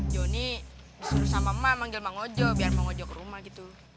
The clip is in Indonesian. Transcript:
jonny disuruh sama emak manggil emang ojo biar emang ojo ke rumah gitu